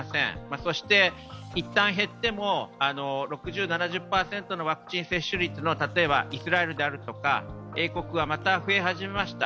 そして一旦減っても６０、７０％のワクチン接種率の例えばイスラエルであるとか英国はまた増え始めました。